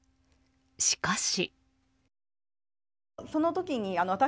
しかし。